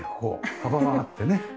幅があってね。